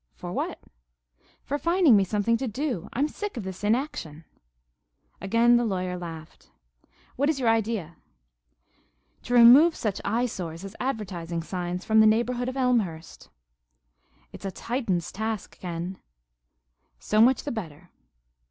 "For what?" "For finding me something to do. I'm sick of this inaction." Again the lawyer laughed. "What is your idea?" he asked. "To remove such eyesores as advertising signs from the neighborhood of Elmhurst." "It's a Titan's task, Ken." "So much the better."